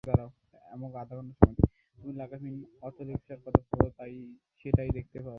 তুমি লাগামহীন অর্থলিপ্সার কথা ভাবো, তাই সেটাই দেখতে পাও।